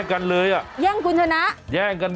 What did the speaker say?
คนละพัน๓พัน